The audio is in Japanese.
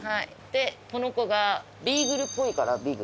この子がビーグルっぽいからビグ。